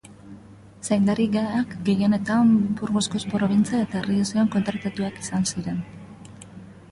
Zaindariak gehienetan Burgosko probintzian eta Errioxan kontratatuak izan ziren.